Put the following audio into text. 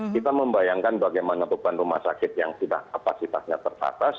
kita membayangkan bagaimana beban rumah sakit yang sudah kapasitasnya terbatas